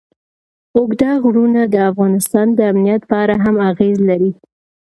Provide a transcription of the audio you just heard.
اوږده غرونه د افغانستان د امنیت په اړه هم اغېز لري.